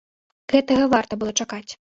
Гэтага варта было чакаць.